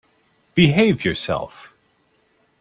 Behave yourself!